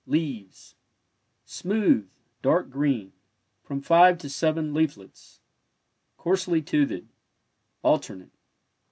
Leaves — smooth, dark green, from five to seven leaflets, coarsely toothed— alternate.